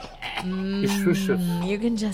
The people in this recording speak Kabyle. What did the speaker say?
Yeccucef.